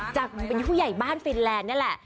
จากเป็นผู้ใหญ่บ้านฟินแลนด์นี่แหละ